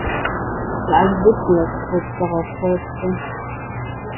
Wir alle wissen, was kurz darauf folgte.